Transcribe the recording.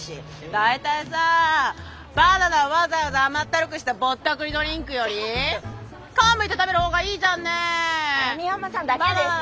大体さあバナナわざわざ甘ったるくしたぼったくりドリンクより皮むいて食べるほうがいいじゃんね。